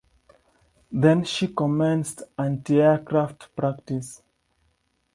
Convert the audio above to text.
Then she commenced antiaircraft practice.